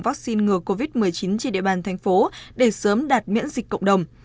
vaccine ngừa covid một mươi chín trên địa bàn thành phố để sớm đạt miễn dịch cộng đồng